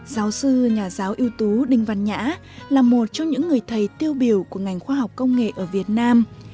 giáo sư nhà giáo ưu tú đinh văn nhã là một trong những người thầy tiêu biểu của ngành khoa học công nghệ ở việt nam